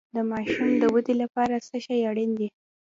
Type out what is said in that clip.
د ماشوم د ودې لپاره څه شی اړین دی؟